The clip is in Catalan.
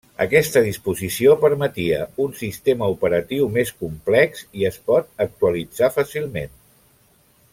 Aquesta disposició permetia un sistema operatiu més complex i es pot actualitzar fàcilment.